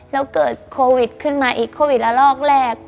แล้วเกิดโควิดขึ้นมาอีกโควิดละลอกแรก